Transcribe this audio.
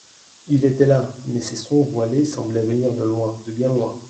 Il était là, mais ses sons voilés semblaient venir de loin, de bien loin.